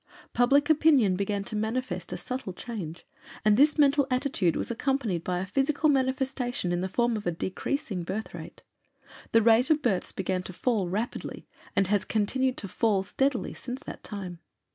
Public opinion began to manifest a subtle change, and this mental attitude was accompanied by a physical manifestation in the form of a decreasing birth rate. The rate of births began to fall rapidly, and has continued to fall steadily since that time.